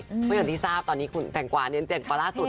เพราะอย่างที่ที่ทราบตอนนี้คุณแตงกวาเน้นเจ๋งปลาร่าสุดนะ